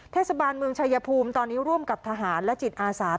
เทศบาลเมืองชายภูมิตอนนี้ร่วมกับทหารและจิตอาสา